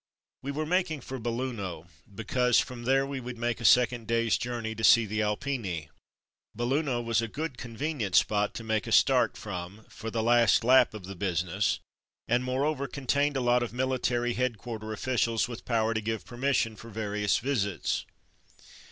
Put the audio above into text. We were making for Belluno because from there we would make a second day's journey to see the Alpini. Belluno was a good convenient spot to make a start from for the last lap of the business, and moreover contained a lot of military headquarter officials with power to give permission for various visits.